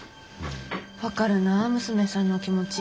分かるな娘さんの気持ち。